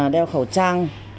đeo khẩu trang